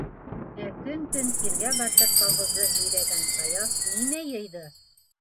Ә көн-төн тиргә батып колхозды һөйрәгән Саяф нимә йыйҙы?